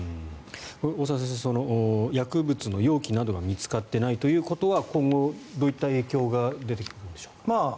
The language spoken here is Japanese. これは大澤先生薬物の容器などが見つかっていないということは今後、どういった影響が出てくるんでしょうか。